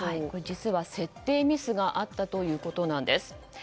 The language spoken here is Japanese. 実は、設定ミスがあったということなんです。